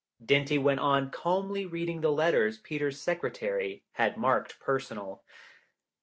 Dinty went on calmly reading the letters Peter's secretary had marked personal.